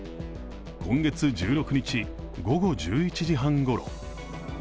今月１６日午後１１時半頃。